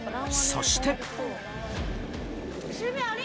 そして。